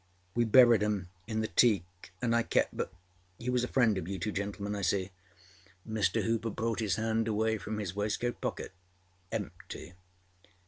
We buried âem in the teak and I keptâ¦ But he was a friend of you two gentlemen, you see.â Mr. Hooper brought his hand away from his waistcoat pocketâempty.